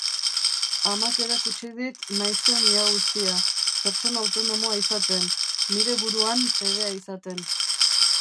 Amak erakutsi dit naizen ia guztia, pertsona autonomoa izaten, nire buruan fedea izaten.